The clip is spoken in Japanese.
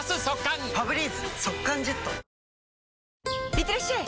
いってらっしゃい！